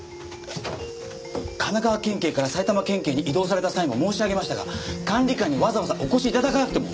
神奈川県警から埼玉県警に移動された際も申し上げましたが管理官にわざわざお越し頂かなくても。